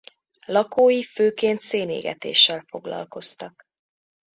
Lakói főként szénégetéssel foglalkoztak.